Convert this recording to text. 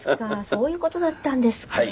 そういう事だったんですか。